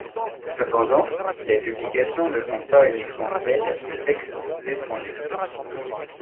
Cependant, les publications ne sont pas uniquement celles de textes étrangers.